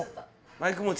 マイク持ち。